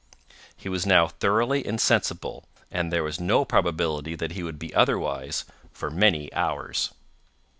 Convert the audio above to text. He was now thoroughly insensible, and there was no probability that he would be otherwise for many hours.